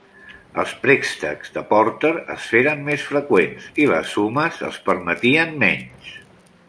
Els préstecs de Porter es feren més freqüents i les sumes els permetien menys.